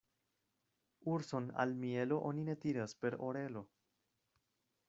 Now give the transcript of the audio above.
Urson al mielo oni ne tiras per orelo.